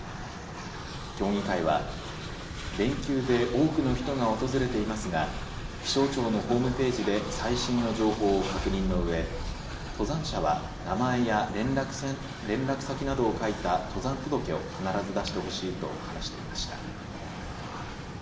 協議会は連休で多くの人が訪れていますが気象庁のホームページで最新の情報を確認のうえ登山者は名前や連絡先などを書いた登山届を必ず出してほしいと話していました。